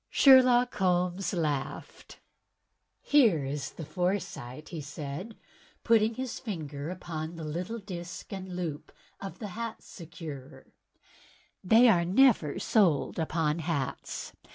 Sherlock Holmes laughed. "Here is the foresight," said he, putting his finger upon the little disk and loop of the hat securer. "They are never sold upon hats.